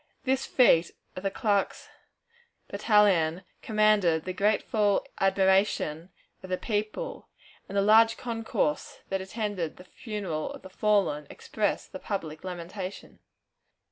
This feat of the Clerks' Battalion commanded the grateful admiration of the people, and the large concourse that attended the funeral of the fallen expressed the public lamentation.